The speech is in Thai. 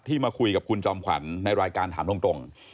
มาคุยกับคุณจอมขวัญในรายการถามตรง